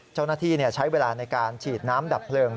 เจ้าหน้าที่ใช้เวลาในการฉีดน้ำดับเพลิง